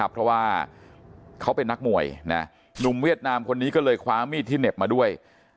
เพราะว่าเขาเป็นนักมวยหนุ่มเวียดนามคนนี้ก็เลยคว้ามีดที่เหน็บมาด้วย